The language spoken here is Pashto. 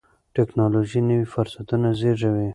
ټیکنالوژي نوي فرصتونه زیږوي.